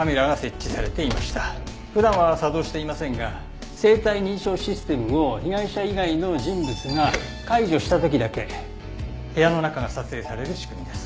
普段は作動していませんが生体認証システムを被害者以外の人物が解除した時だけ部屋の中が撮影される仕組みです。